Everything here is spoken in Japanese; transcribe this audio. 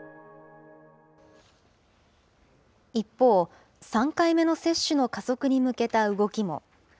一方、３回目の接種の加速に向けた動きも。